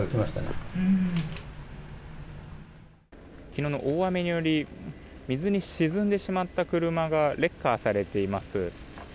昨日の大雨により水に沈んでしまった車がレッカーされています。